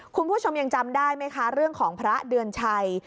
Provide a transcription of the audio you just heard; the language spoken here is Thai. คุณผู้ชมยังจำได้ไหมคะเรื่องของพระเดือนชัย